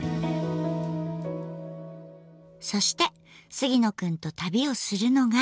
そして杉野くんと旅をするのが。